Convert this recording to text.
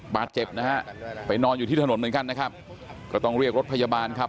บาดเจ็บนะฮะไปนอนอยู่ที่ถนนเหมือนกันนะครับก็ต้องเรียกรถพยาบาลครับ